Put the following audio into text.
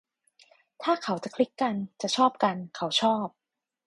ถ้าเขาจะคลิกกัน จะชอบกัน เขาชอบ